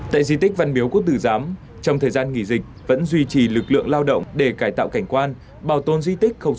tại di tích văn miếu quốc tử giám trong thời gian nghỉ dịch vẫn duy trì lực lượng lao động để cải tạo cảnh quan bảo tồn di tích không